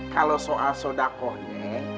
kalau soal sodakohnya